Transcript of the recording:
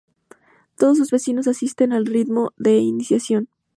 Todos sus vecinos asisten al rito de iniciación.